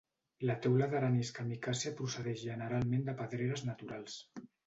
La teula d'arenisca micàcia procedeix generalment de pedreres naturals.